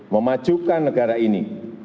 memajukan negara ini